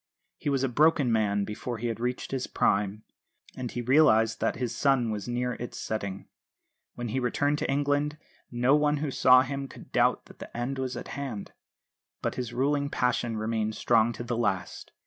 He was a broken man before he had reached his prime, and he realised that his sun was near its setting. When he returned to England no one who saw him could doubt that the end was at hand. But his ruling passion remained strong to the last.